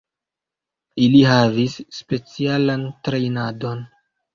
Ili havis specialan trejnadon.